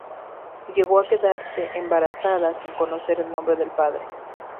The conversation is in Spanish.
Llegó a quedarse embarazada, sin conocerse el nombre del padre.